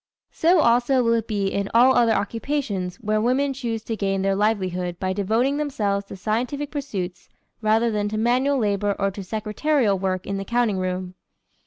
So also will it be in all other occupations where women choose to gain their livelihood by devoting themselves to scientific pursuits rather than to manual labor or to secretarial work in the counting room.